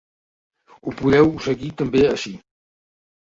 Ho podeu seguir també ací.